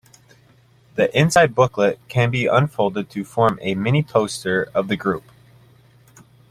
The inside booklet can be unfolded to form a mini-poster of the group.